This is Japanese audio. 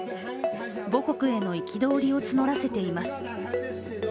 母国への憤りを募らせています。